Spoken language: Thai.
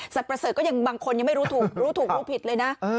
ประเสริฐก็ยังบางคนยังไม่รู้ถูกรู้ถูกรู้ผิดเลยนะ